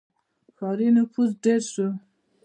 • ښاري نفوس ډېر شو.